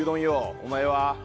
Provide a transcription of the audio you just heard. お前は？